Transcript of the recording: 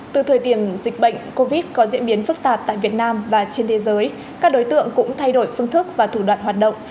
từ thời điểm dịch bệnh covid có diễn biến phức tạp tại việt nam và trên thế giới các đối tượng cũng thay đổi phương thức và thủ đoạn hoạt động